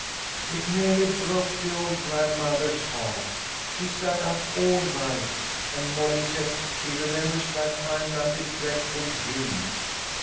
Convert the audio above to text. " It nearly broke the old grandmother's heart. She sat up all night, and Molly says she remembers that time like a dreadful dream.